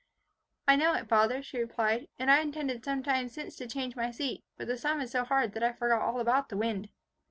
"I know it, father," she replied, "and I intended some time since to change my seat, but the sum is so hard that I forgot all about the wind."